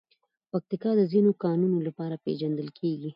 پکتیکا د ځینو کانونو لپاره پېژندل کېږي.